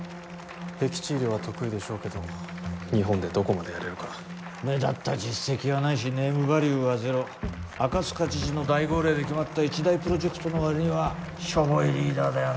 へき地医療は得意でしょうけど日本でどこまでやれるか目立った実績はないしネームバリューはゼロ赤塚知事の大号令で決まった一大プロジェクトの割にはしょぼいリーダーだよな